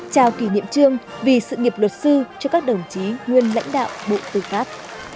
trao kỷ niệm trương vì sự nghiệp luật sư cho các đồng chí nguyên lãnh đạo bộ tư pháp